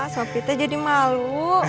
sopi teh jadi malu